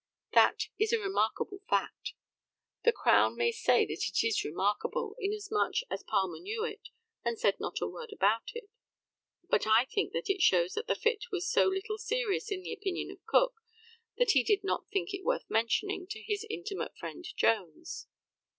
That is a remarkable fact. The Crown may say that it is remarkable, inasmuch as Palmer knew it, and said not a word about it; but I think that it shows that the fit was so little serious in the opinion of Cook that he did not think it worth mentioning to his intimate friend Jones.